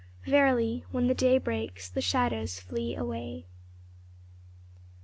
Verily, when the day breaks, the shadows flee away.